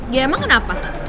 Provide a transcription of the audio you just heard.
ya emang kenapa